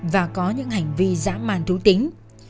và có những hành vi dã man thú tính